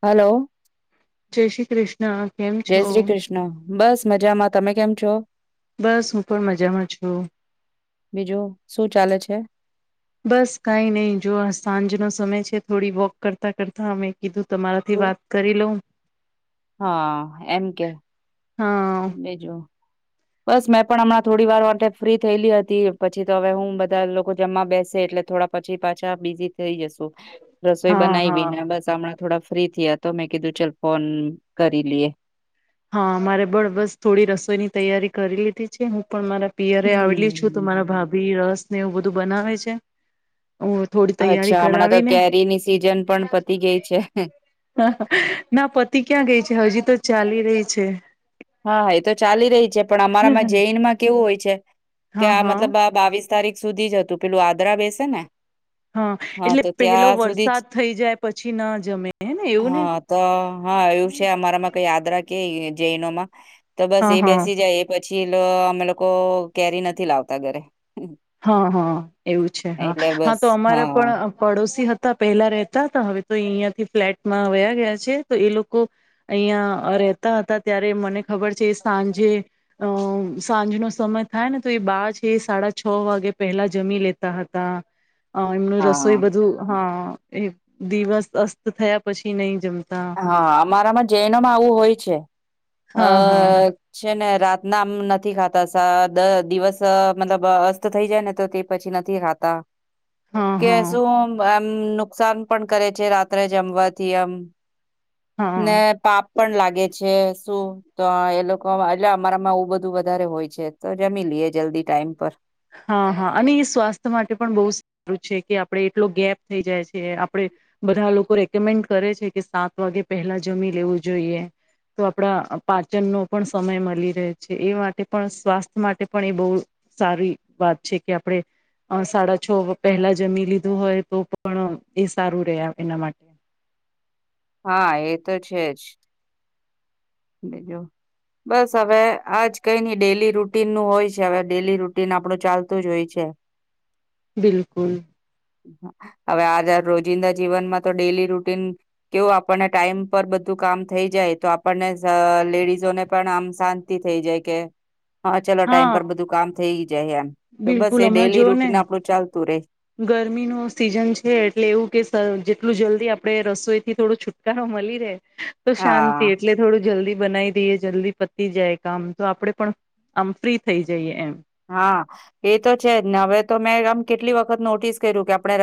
Hello જય શ્રી ક્રિસ જય શ્રી કૃષ્ણ. બસ મજામાં તમે કેમ? છો? બસ હું પણ મજામાં છું. બીજું શું ચાલે છે? બસ કઈ નહી જુવો આ સાંજનો સમય છે થોડી વોક કરતા કરતા અમે. કીધું તમારાથી વાત કરી લઉં. હા એમ કે હા બીજું. બસ મેં પણ હમણાં થોડી વાર માટે ફ્રી થયેલી હતી. પછી તો હવે હું બધા લોકો જમવા બેસે એટલે થોડા પછી પાછા બીઝી થઈ જશું. રસોઈ હા હા બનાઈવીને બસ હમણાં થોડા ફ્રી થયા તો મેં કીધું ચલ ફોન કરી લીએ. હ મારે બડ બસ થોડી રસોઈની તૈયારી કરી લીધી છે હું પણ મારા પિયરે હમ્મ. આવેલી છું તો મારા ભાભી રસ ને એવું બધું બનાવે છે. હું થોડી તૈયારી અચ્છા હમણાં તો કરાવીને કેરીની સિજન પણ પતી ગઈ છે. ના પતી ક્યાં ગઈ છે હજી તો ચાલી રહી છે. હા એ તો ચાલી રહી છે. પણ અમારામાં જૈનમાં કેવું હોય છે કે હા આ હા મતલબ આ બાવીસ તારીખ સુધી જ હતું. પેલું આદ્રા બેસે ને. હ હા, એટલે તો પહેલો ત્યાં સુધી જ વરસાદ થઈ જાય પછી ન જમે હેને એવું ને. હા, તો કે [inaudible] જયનોમાં તો બસ હા એ હા બેસી જાય એ પછી છીલ અમે લોકો કેરી નથી લાવતા ઘરે હા હા એવું છે હા એટલે હા બસ તો અમારા હા. પણ પડોશી હતા પહેલા રેહતા હતા હવે તો અહિયાં થી ફ્લેટમાં વયા ગયા છે તો એ લોકો અહિયાં રતા હતા ત્યારે મને ખબર છે સાંજે અ સાંજ નો સમય થાય ને તો એ બ છે સાડા છ વાગે પેલા જમી લેતા હતા. હ એમનું હા, રસોઈ બધું હા. એ દિવસ અસ્ત થયા પછી નહી જમ હા અમારામાં જૈનોમાં આવું હોય છે. અ અ હા હા અ છે ને રાત ના આમ નથી ખાતા સા દિવસ મતલબ અસ્ત થઈ જાય ને તો તે પછી નથી ખાતા. હા કે હા શું બા મમ નુકસાન પણ કરે છે રાત્રે જમવાથી આમ હા ને પાપ પણ લાગે છે. શું તો એ લોકો એટલે અમારામાં આવું બધું વધારે હોય છે તો જમી લઈએ જલ્દી ટાઈમ પર. હા, હા, અને એ સ્વાસ્થ્ય માટે પણ બહુ સારું છે કે આપણેે એટલો ગેપ થઈ જાય છે આપણે બધા લોકો રેકમેન્ડ કરે છે કે સાત વાગે પહેલા જમી લેવું જોઈએ તો આપડા પાચનનો પણ સમય મળી રહે છે એ માટે પણ સ્વાસ્થ્ય માટે પણ એ બહુ સારી વાત છે કે આપણે સાડા છ પહેલા જમી લીધું હોય તો પણ એ સારું રહે આપણા માટે. હા, એ તો છે જ. બીજું બસ હવે આજ કઈ નઈ ડેલી રુટીનનું હોય છે હવે ડેલી રુટીન આપડું ચાલતું જ હોય છે. બિલકુલ. હવે આ જા રોજિંદા જીવનમાં તો ડેલી રૂટીન કેવું આપણને ટાઈમ પર બધું કામ થઈ જાય તો આપણને લેડીઝો ને પણ આમ શાંતિ થઈ જાય કે હા, ચાલો ટાઈમ પર બધું કામ થઈ જાય એમ તો બસ બિલકુલ એ હમણાં ડેલી જોઓ ને રૂટીન આપણું ચાલતું રે ગરમીનો સીઝન છે એટલે એવું કે સર જેટલું જલ્દી આપ ડે રસોઈથી થોડો છુટકારો મળી રહે તો શાંતિ હા એટલે થોડું જલ્દી બનાવી દઈએ જલ્દી પતી જાય કામ તો આપડે પણ આમ ફ્રી થઈ જઈએ એમ. હા એ તો છેને હવે તો મેં આમ કેટલી વખત નોટિસ કર્યું કે આપણે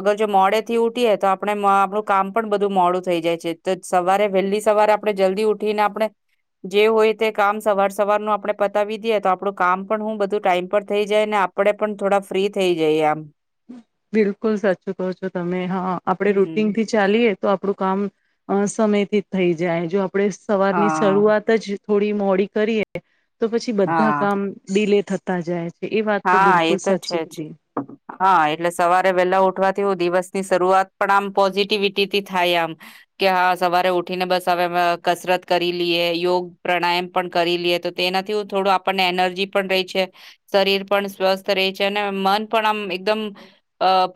અગર જો મોડે થી ઉઠીએ તો આપણે આપણું કામ પણ બધું મોડું થઈ જાય છે તો સવારે વહેલી સવારે આપણે જલ્દી ઉઠીને આપણે જે હોય તે કામ સવાર સવારનું આપણે પતાવી દઈએ તો આપણું કામ પણ હું બધું ટાઈઇમ પર થઇ જાય ને આપડે પણ થોડા ફ્રી થઈ જઈએ આમ બિલકુલ સાચું કહો છો તમે હા આપડે રૂટીન હમ થી ચાલીએ તો આપડું કામ સમયથી જ થઈ જાય જો આપણે સવાર ની હા શરૂઆત જ થોડી મોડી કરીએ તો પછી બધા હા કામ ડીલે થતા તા જાય. એ વાત તો હા એ બિલકુલ તો સાચી છે જ કીધી. હા એટલે સવારે વહેલા ઉઠવાથી હુ દિવસની શરૂઆત પણ આમ પોઝિટિવિટીથી થાય આમ કે હા સવારે ઉઠીને બસ હવે કસરત કરી લઈએ યોગ પ્રાણાયામ પણ કરી લઈએ તો તેનાથી થોડું આપણને એનર્જી પણ રહી છે શરીર પણ સ્વસ્થ રે છે અને મન પણ આમ એકદમ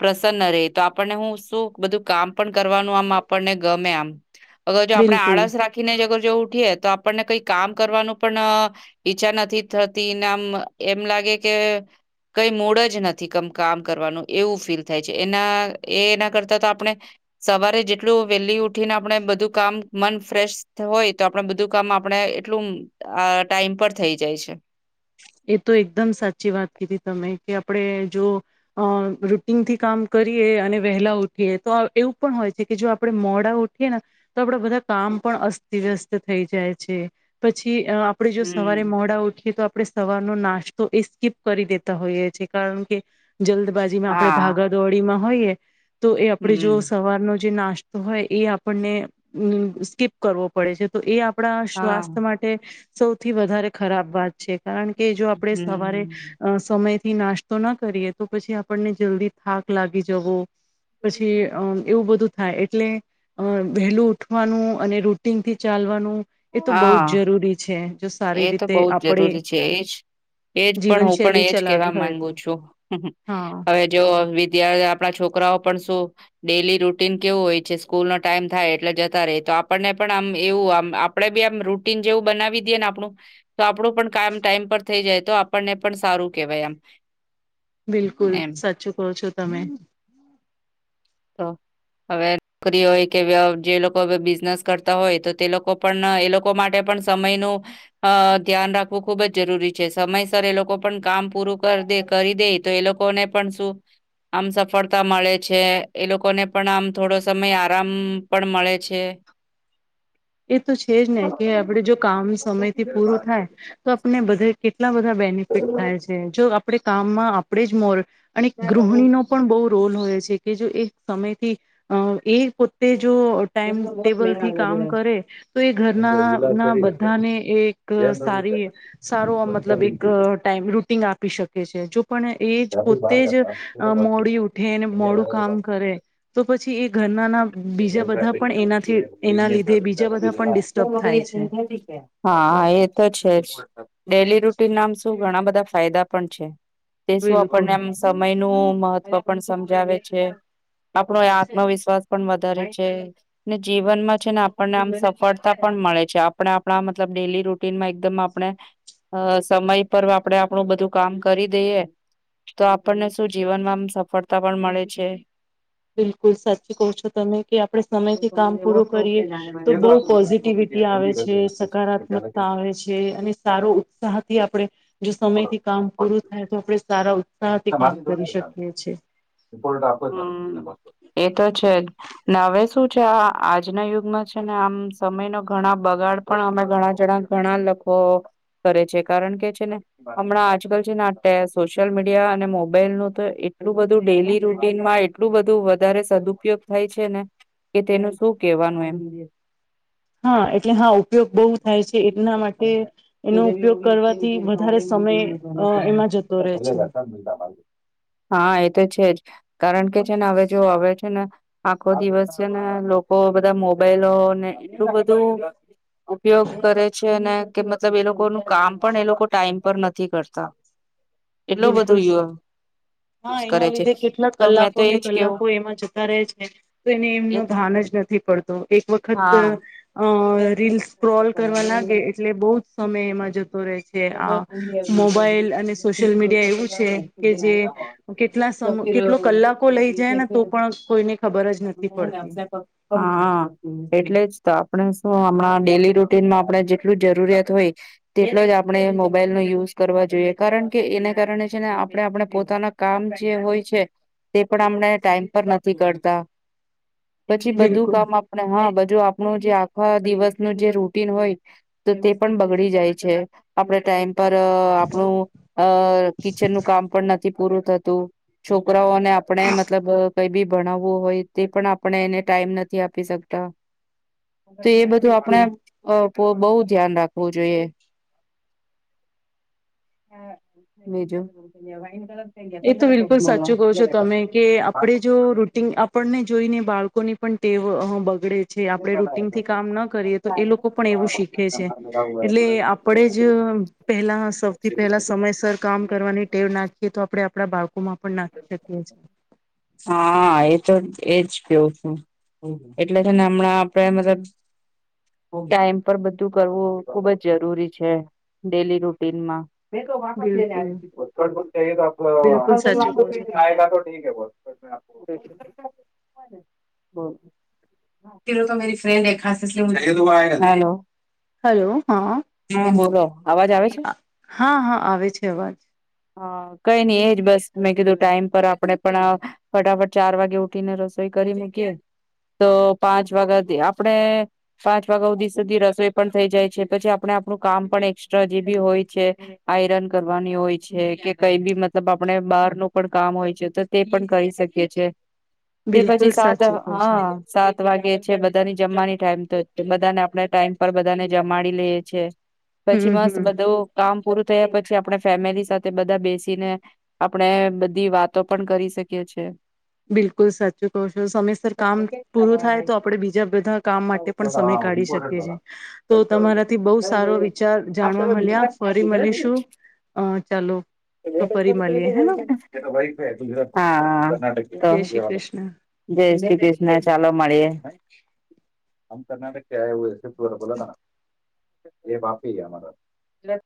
પ્રસન્ન રહે તો આપણને હું શું બધું કામ પણ કરવાનું આમ આપણને ગમે આમ અગર જો આપણે બિલકુલ આળસ રાખીને જ અગર જો ઉઠીએ તો આપ પણને કઈ કામ કરવાનું પણ અ ઈચ્છા નથી થતી નામ એમ લાગે કે કઈ મૂડ જ નથી કામ કરવાનું એવું ફીલ થાય છે એના એ એના કરતા તો આપણે સવારે જેટલું વહેલી ઉઠીને આપણે બધું કામ મન ફ્રેશ હોય તો આપણે બધું કામ આપણે એટલું આ ટાઈમ પર થઈ જાય છે. એ તો એકદમ સાચી વાત કીધી તમે કે આપડે જો રૂટીનથી કામ કરીએ અને વહેલા ઉઠીએ તો એવું પણ હોય છે કે જો આપડે મોડા ઉઠીએ ને તો આપડા બધા કામ પણ અસ્તવ્યસ્ત થઈ જાય છે પછી આપડે જો સવારે હમ્મ. મોડા ઉઠીએ તો આપડે નો નાસ્તો એ સ્કીપ કરી દેતા હોઈએ છે કારણ કે જલ્દબાજીમાં આપડે હા ભાગાદોડીમાં હોઈ એ તો એ આપડે જો હમ. સવારનો જ જે નાસ્તો હોય એ આપણને સ્કીપ કરવો પડે છે તો એ આપ પડા હા. સ્વાસ્થ માટે સૌથી વધારે ખરાબ વાત છે. કારણ કે જો આપણેે સવારે હમ્મ. અ સમય થી નાસ્તો ના કરીએ તો પછી આપણને જલ્દી થાક લાગી જવો પછી અ એવું બધું થાય એટલે અ વહેલું ઉઠવાનું અને રૂટીનથી ચાલવાનું એ તો બહુ જ હા જરૂરી છે. જો એ સારી તો રીતે બહુ જ આપડે જરૂરી છે એજ એજ પણ હું પણ એજ કેવા ચલાવી હોય માંગુ તો છું હા હવે જો વિદ્ય આપડા છોકરાઓ પણ શું ડેલી રૂટીન કેવું હોય છે સ્કૂલ નો ટાઈમ થાય એટલે જતા રેય તો આપણને પણ આમ એવું આમ આપડે બી આમ રૂટીન જેવું બનાવી દઈએ ને પણું તો આપડુ પણ કામ ટાઈમ પર થઈ જાય તો આપણને પણ સારું કેવાય એમ. બિલકુલ સાચુ કહો છો. તમે. તો હવે કરી હોય કે જે લોકો હ બિઝનેસ કરતા હોય તો તે લોકો પણ એ લોકો માટે પણ સમય નુ અ ધ્યાન રાખવું ખુબ જ જરૂરી છે સમયસર એ લોકો પણ કામ પૂરું કર દે કરી દેય. તો એ લોકોને પણ શું આમ સફળતા મળે છે. એ લોકોને પણ આમ થોડો સમય આરામ પણ મળે છે. એ તો છે જ ને કે આપડે જો કામ સમય થી પૂરું થાય તો આપને બધે એટલા બધા બેનિફિટ થાય છે જો આપે કામમાં આપડે જ મો અને ગૃહિણી નો પણ બહુ રોલ હોય છે કે જો એક સમયથી એ પોતે જો ટાઈમ ટેબલ થી કામ કરે તો એ ઘરના ના બધાને એ સારી સારો મતલબ એક ટાઈમ રૂટીન આપી શકે છે જો પણ એ જ પોતે જ મોડી ઉઠે મોડું કામ કરે તો પછી એ ઘરના ના બીજા બધા પણ એનાથી એના લીધે બીજા બધા પણ ડિસ્ટર્બ હા થાય છે. એ તો છે જ. ડેલી રૂટીન નામ શું ઘણા બધા ફાયદા પણ છે. તે શું બિલકુલ આપણને આમ સમય નું મહત્વ પણ સમ જાવે આવે છે આપણો આત્મવિશ્વાસ પણ વધારે છે ને જીવનમાં છે ને આપણને આમ સફળતા પણ મળે છે આપણે આપણા મતલબ ડેલી રૂટીનમાં એકદમ આપણે સમય પર આપણે આપણું બધું કામ કરી દઈએ તો આપણને શું જીવનમાં આમ સફળતા પણ મળે છે. બિલકુલ સત કહો છો તમે કે આપણે સમયથી કામ પૂરું કરીએ તો બહુ પોઝિટિવિટી આવે છે સકારાત્મકતા આવે છે અને સારો ઉત્સાહથી આપણે જો સમયથી કામ પૂરું થાય તો આપણે સારા ઉત્સાહથી કામ કરી શકીએ છીએ હમ્મ એ તો છેજ ને હવે શું છે આ આજના યુગમાં છે ને આમ સમય ન ઘણા બગાડ પણ અમે ઘણા જણા ઘણા લોકો કરે છે કારણ કે છે ને હમણાં આજકાલ છે ને સોશિયલ મીડિ યા અને મોબાઈલ ન તો એટલું બધું ડેલી રૂટીનમાં એટલું બધું વધારે સદુપયોગ થાય છે ને કે તેનું શું કેવાનું એમ હા એટલે હા ઉપયોગ બહુ થાય છે એના માટે એનો ઉપયોગ કરવાથી વધારે સમય અ એમાં જતો રહે છે. હા એ તો છે જ કારણ કે છે ને હવે જો આવે છે ને આખો દિવસ છે ને લોકો બધા મોબાઈલોને એટલું બધું ઉપયોગ કરે છે ને કે મતલબ એ લોકો ન કામ પણ એ લોકો ટાઈમ પર નથ થી કરતા એટલો બધ બિલકુલ હા એના લીધે કેટલાક તો મેં તો કલાકોને એજ કલાકો કેવું એમાં જતા રહે છે તો એને એ એમનો તો ભાન જ નથી પડતો એક વખત હા અ રીલ સ્ક્રોલ કરવા લાગે એટલે બહ. સમય એમાં જતો રહે. મોબાઈલ અને સ છોટ દ એટલે કેટલા સમ કેટલો કલાકો લઈ જાય ને તો પણ કોઈને ખબર જ નથી પડતી તો આપણે શું આપણા ડેલી રૂટીનમાં આપણે જેટલું જરૂરિયાત હોય તેટલ જ આપ આપણે મોબાઈલ નો યુઝ કરવા જોઈએ કારણ કે એને કારણે છે ને આપણે આપણે પોતાના કામ જે હોય છે તે પણ આપણે ટાઈમ પર નથી કરતા. પછી બધું બિલકુલ કામ આપડ હા બધ જો આપણું જે આખા દિવસનું જે રૂટીન હોય તો, તે પણ બગડી જાય છે. આપણે ટાઈમ પર આપણું અ કિચન નું કામ પણ ન થી પૂરું થતું, છોકરાઓને આપણે મતલબ કઈ બી ભણાવવું હોય, તે પણ આપણે એને ટાઈમ નથી આપી શકતા તો એ બધું આપણે બિલકુલ બોઉ ધ્યાન રાખવું જોઈએ [unintelligible] બીજુ એ તો બિલકુલ સાચું કહો છો તમે, કે આપણે જો રૂટીન આપણને જોઈને બાળકો કોની પણ ટેવ અ બ બગડે છે. આપણે રૂટીન થી કામ ના કરીએ તો, એ લોકો પણ એવું શીખે છે. એટલે આપણેે જ પેલા સૌથી પહેલા સમયસર કામ કરવાની ટેવ નાખીએ તો આપણે બાળકો મા [unintelligible] હા એ તો એજ કેવ છું એટલે છે ને હમણાં આપડે, મતલબ ટાઈમ પર બધું કરવું ખુબ જ જરૂરી છે. ડેલી રૂટીનમાં બિલકુલ બિલકુલ [unintelligible] સાચું કહો છો [unintelligible] તમે આયગા તો ઠીક હે [unintelligible] હાલો હેલો હા અવાજ આવે છે હા હા આવે છે. અવાજ કઈ ની એજ બસ મે કીધું ટાઈમ પર આપણે પણ, ફટાફટ ચાર વાગે ઉઠીને રસોઈ કરી નાખીએ, તો પાંચ વાગ્યાથી આપણે પાંચ વાગ્યા સુધી, સુધી રસોઈ પણ થઈ જાય છે. પછી આપણે આપણું કામ પણ એકસ્ટ્રા જે ભી હોય છે. આઈરન કરવાની હોય છે કે, કઈ ભી મતલબ આપણે બાર નુ પણ કામ હોય છે, તો તે પણ કરી શકીએ છે તે પછી બિલકુલ સાત સાચું કહો છો હા, સાત વાગે છે બધાની જમવાની ટાઈમ તો, બધાને આપણે ટાઈમ પર બધાને જમાડી લેએ છે પછી હમ મસ્ત હમ બધું કામ પૂરું પતે પછી, આપણે ફેમિલી સાથે બધા બેસીને આ આપણે બધી વાતો પણ કરી શકીએ છે બિલકુલ સાચું કહો છો. સમયસર કામ પૂરું થાય તો, આપણેે બીજા બધા કામ માટે પણ સમય કાઢી શકીએ છે. તો તમારાથી બોવ સારો વિચાર જાણવા મલ્યા ફરી મલીશું અ ચાલો તો ફરી મલીએ [unintelligible] હા તો જય શ્રી કૃષ્ણ જય શ્રી કૃષ્ણ ચાલો મળીએે આમ કર્ણાટક? [unintelligible] ત્યાંય એવુ જ હતુઃ બોલા થા ના એ વાપી એમારા તો